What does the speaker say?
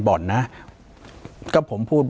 ปากกับภาคภูมิ